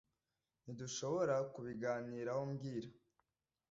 Ntidushobora kubiganiraho mbwira